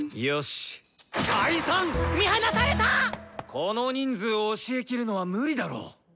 この人数を教えきるのは無理だろう。